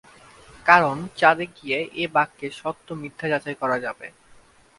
কারণ চাঁদে গিয়ে এ-বাক্যের সত্য-মিথ্যা যাচাই করা যাবে।